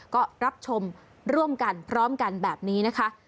ก็รับชมร่วมกันพร้อมกันแบบนี้นะคะ